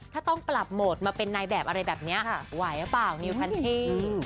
ถ้าต้องปรับโหมดมาเป็นนายแบบอะไรแบบนี้ไหวหรือเปล่านิวคันเท่